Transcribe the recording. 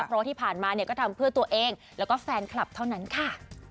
เพราะว่าที่ผ่านมาเนี่ยก็ทำเพื่อตัวเองแล้วก็แฟนคลับเท่านั้นค่ะ